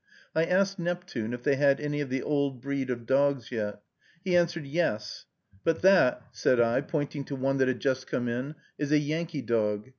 I asked Neptune if they had any of the old breed of dogs yet. He answered, "Yes." "But that," said I, pointing to one that had just come in, "is a Yankee dog."